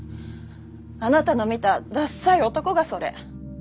あなたの見たダッサイ男がそれ。